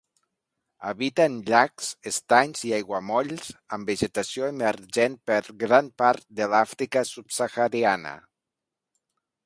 Habita en llacs, estanys i aiguamolls amb vegetació emergent per gran part de l'Àfrica subsahariana.